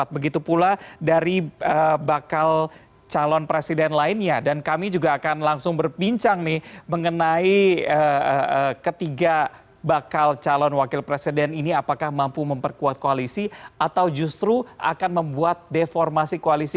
begitu pula dari bakal calon presiden lainnya dan kami juga akan langsung berbincang nih mengenai ketiga bakal calon wakil presiden ini apakah mampu memperkuat koalisi atau justru akan membuat deformasi koalisi